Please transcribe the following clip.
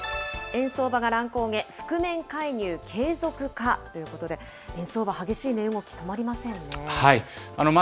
円相場が乱高下、覆面介入継続かということで、円相場、激しい値動き止ま